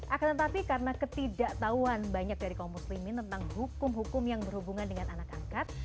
akan tetapi karena ketidaktahuan banyak dari kaum muslimin tentang hukum hukum yang berhubungan dengan anak angkat